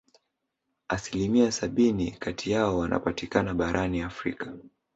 Asilimia sabini kati yao wanapatikana barani Afrika